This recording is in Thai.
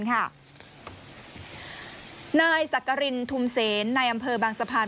นายสักกรินทุมเซนในอำเภอบางสะพาน